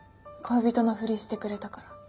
恋人のふりしてくれたから。